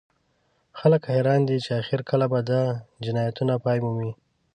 خلک حیران دي چې اخر کله به دا جنایتونه پای مومي